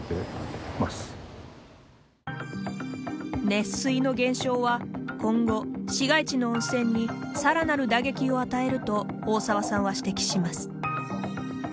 熱水の減少は今後、市街地の温泉にさらなる打撃を与えると大沢さんは指摘します。